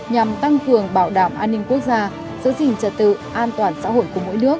nhằm tăng cường bảo đảm an ninh quốc gia giữ gìn trật tự an toàn xã hội của mỗi nước